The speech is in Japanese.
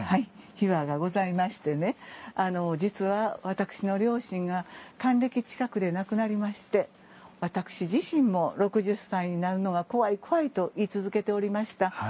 秘話がございまして実は、私の両親が還暦近くで亡くなりまして私自身も６０歳になるのが怖い怖いと言い続けておりました。